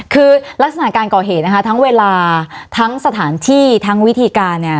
คือลักษณะการก่อเหตุนะคะทั้งเวลาทั้งสถานที่ทั้งวิธีการเนี่ย